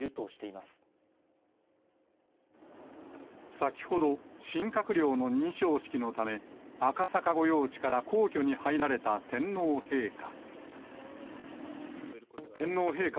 先ほど、新閣僚の認証式のため、赤坂御用地から皇居に入られた天皇陛下。